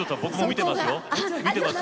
見てますよ。